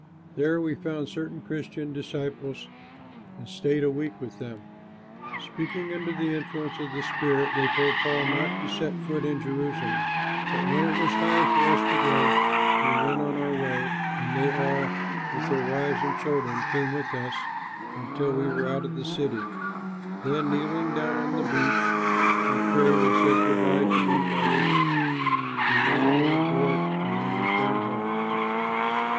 There we found certain Christian disciples and stayed a week with them. Speaking under the influence of the Spirit, they told Paul not to set foot in Jerusalem; but when it was time for us to go, we went on our way, and they all, with their wives and children, came with us until we were out of the city. Then kneeling on the beach, we prayed and said good by to one another; we went on board and they returned home.